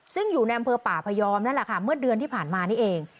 ซึ่งอยู่ในอำเภอป่าพยอมนั่นแหละค่ะเมื่อเดือนที่ผ่านมานี่เอง